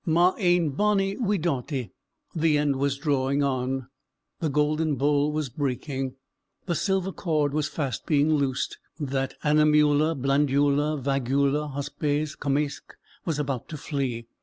"Ma ain bonnie wee dawtie!" The end was drawing on: the golden bowl was breaking; the silver cord was fast being loosed that animula blandula, vagula, hospes, comesque, was about to flee.